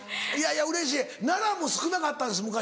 いやいやうれしい奈良も少なかったんです